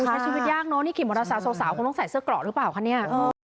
ใช้ชีวิตยากเนอะนี่ขี่มอเตอร์ไซค์สาวคงต้องใส่เสื้อเกราะหรือเปล่าคะเนี่ย